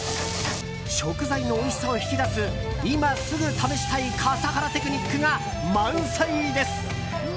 食材のおいしさを引き出す今すぐ試したい笠原テクニックが満載です。